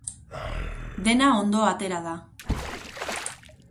Dena ondo atera da.